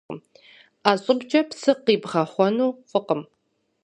Ӏэ щӏыбкӏэ псы къибгъэхъуэну фӏыкъым.